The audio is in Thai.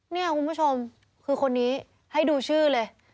เนี่ยคุณผู้ชมคือคนนี้ให้ดูชื่อเลย